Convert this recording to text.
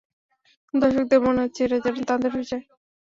দর্শকদের মনে হচ্ছে এটা যেনো তাদেরও জয়!